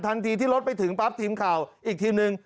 ที่รถไปถึงปั๊บทีมข่าวอีกทีมหนึ่ง